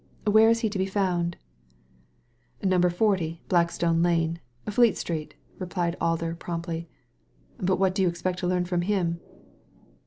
" Where is he to be found ?" ''Na 40, Blackstone Lane, Fleet Street," replied Alder promptly ; "but what do you expect to learn from him